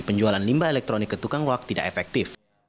penjualan limbah elektronik ke tukang loak tidak efektif